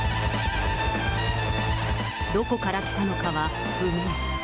どこから来たのかは不明。